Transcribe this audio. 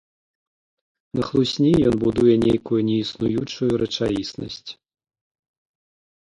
На хлусні ён будуе нейкую неіснуючую рэчаіснасць.